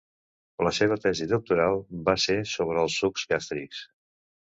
La seva tesi doctoral va ser sobre els sucs gàstrics.